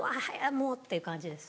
もうっていう感じです。